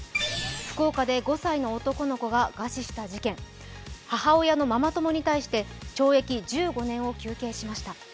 福岡で５歳の男の子が餓死した事件母親のママ友に対して懲役１５年を求刑しました。